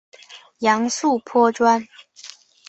杨素颇专。